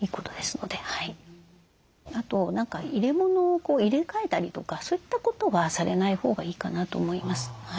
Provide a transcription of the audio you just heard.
あと何か入れ物を入れ替えたりとかそういったことはされないほうがいいかなと思います。